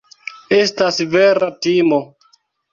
Estas vera timo.